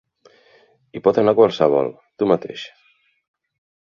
Hi pot anar qualsevol: tu mateix.